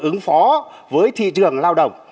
ứng phó với thị trường lao động